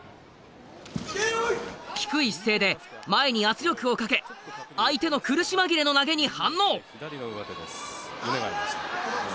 低い姿勢で前に圧力をかけ相手の苦し紛れの投げに反応。